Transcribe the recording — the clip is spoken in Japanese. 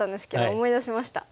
思い出しました？